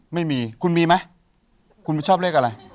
ไม่มีคุณมีไหมคุณไม่ชอบเลขอะไร